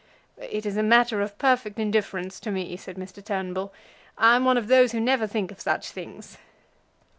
"It is a matter of perfect indifference to me," said Mr. Turnbull. "I am one of those who never think of such things."